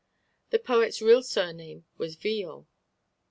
The poet's real surname was Viaud.